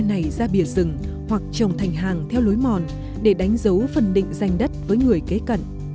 này ra bìa rừng hoặc trồng thành hàng theo lối mòn để đánh dấu phân định danh đất với người kế cận